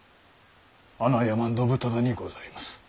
穴山信君にございます。